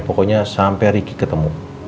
pokoknya sampai ricky ketemu